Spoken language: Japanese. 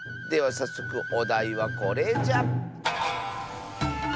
さっそくおだいはこれじゃ。